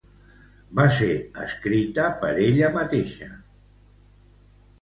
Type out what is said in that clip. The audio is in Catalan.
Va ser escrita per ella mateixa amb l'ajuda de Pepe Herrero.